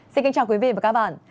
xin kính chào quý vị và các bạn